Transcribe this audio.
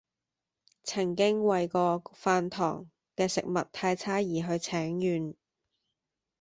曾經為過飯堂的食物太差而去請願